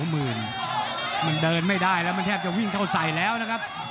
มันเดินไม่ได้แล้วมันแทบจะวิ่งเข้าใส่แล้วนะครับ